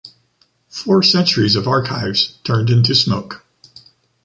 Four centuries of archives turned into smoke.